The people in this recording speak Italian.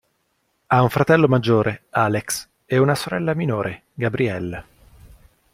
Ha un fratello maggiore, Alex, e una sorella minore, Gabrielle.